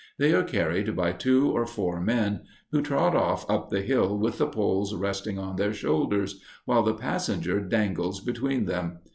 They are carried by two or four men, who trot off up the hill with the poles resting on their shoulders, while the passenger dangles between them.